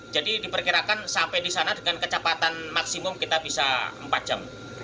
jadi diperkirakan sampai di sana dengan kecepatan maksimum kita bisa empat jam